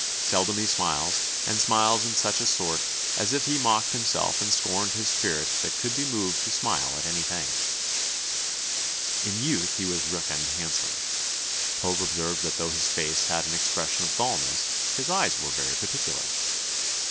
Seldom he smiles, and smiles in such a sort, As if he mock'd himself and scorn'd his spirit That could be moved to smile at any thing.' ... In youth he was reckoned handsome; Pope observed that though his face had an expression of dulness, his eyes were very particular.